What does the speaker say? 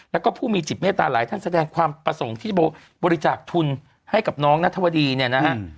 แล้วก็ผู้มีจิตเมตตาหลายท่านแสดงความประสงค์ที่บริจาคทุนให้กับน้องนัทวดีเนี่ยนะฮะ